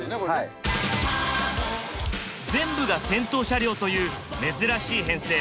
全部が先頭車両という珍しい編成